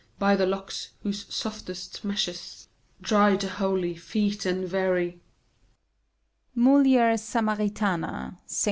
By the locks, whose softest meshes Dried the holy feet and weary! — MULIER SAMARITANA.